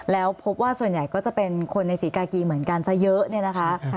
แล้วพบว่าส่วนใหญ่ก็จะเป็นคนในศรีกากีเหมือนกันซะเยอะเนี่ยนะคะ